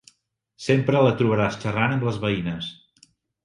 Sempre la trobaràs xerrant amb les veïnes.